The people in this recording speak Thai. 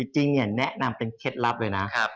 จริงเนี่ยแนะนำเป็นเคล็ดลับมาเรื่อยนะครับ